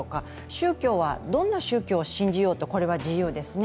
宗教はどんな宗教を信じようとこれは自由ですね。